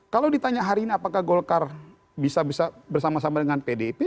kalau ditanya hari ini apakah golkar bisa bisa bersama sama dengan pdip